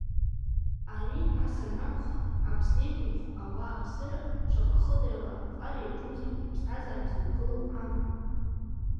Ари ас анакәха, Аԥсны иқәынхо ауааԥсыра шаҟа хыдарала аԥҟара иаҿузеи рыԥсҭазаара зықәгылоу амахә.